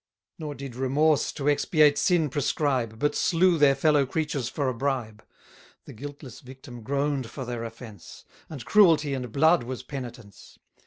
Nor did remorse to expiate sin prescribe, But slew their fellow creatures for a bribe: The guiltless victim groan'd for their offence; And cruelty and blood was penitence.